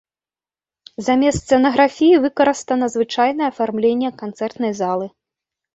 Замест сцэнаграфіі выкарыстана звычайнае афармленне канцэртнай залы.